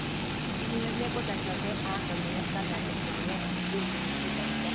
みんな猫たちはあなたがいらっしゃらない時でも元気にしてたみたい？